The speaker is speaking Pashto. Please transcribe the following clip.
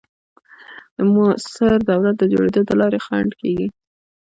د موثر دولت د جوړېدو د لارې خنډ کېږي.